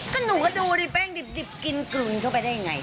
ก็หนูก็ดูดิแป้งดิบกินกลืนเข้าไปได้ยังไง